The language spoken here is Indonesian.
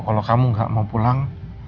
kalau kamu nggak mau pulang